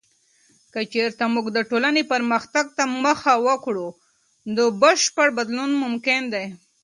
که چیرته موږ د ټولنې پرمختګ ته مخه وکړو، نو بشپړ بدلون ممکن دی.